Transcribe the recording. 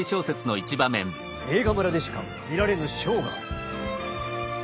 映画村でしか見られぬショーがある。